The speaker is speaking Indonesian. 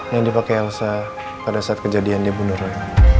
yang dipakai elsa pada saat kejadian dia bunuh roy